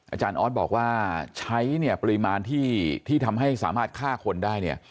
อาจารย์ออสบอกว่าใช้เนี่ยปริมาณที่ทำให้สามารถฆ่าคนได้เนี่ย